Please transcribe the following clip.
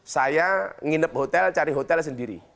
saya nginep hotel cari hotel sendiri